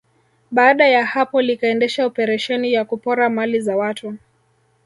Baada ya hapo likaendesha operesheni ya kupora mali za watu